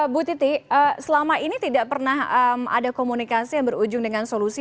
bu titi selama ini tidak pernah ada komunikasi yang berujung dengan solusi